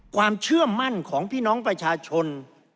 ความเชื่อมั่นของพี่น้องประชาชน